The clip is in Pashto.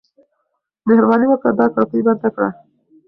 مهرباني وکړه دا کړکۍ بنده کړه.